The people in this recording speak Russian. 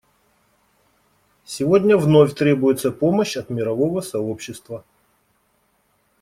Сегодня вновь требуется помощь от мирового сообщества.